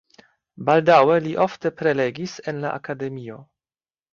Baldaŭe li ofte prelegis en la akademio.